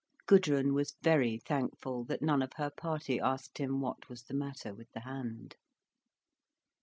Gudrun was very thankful that none of her party asked him what was the matter with the hand.